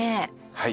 はい。